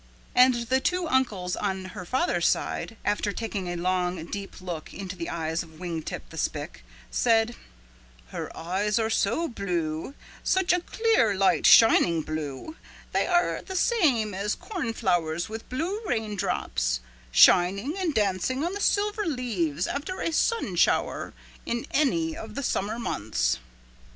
And the two uncles on her father's side, after taking a long deep look into the eyes of Wing Tip the Spick, said, "Her eyes are so blue, such a clear light shining blue, they are the same as cornflowers with blue raindrops shining and dancing on the silver leaves after a sun shower in any of the summer months."